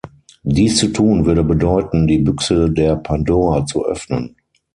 Dies zu tun, würde bedeuten, die Büchse der Pandora zu öffnen.